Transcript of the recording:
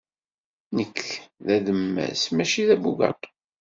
Nekk d ademmas, maci d abugaṭu.